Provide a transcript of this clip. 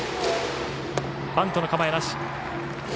バントの構えなし。